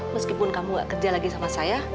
meskipun kamu gak kerja lagi sama saya